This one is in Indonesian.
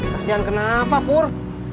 kasian kenapa pur